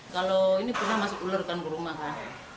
kalau ini pernah masuk ular kan berumah kan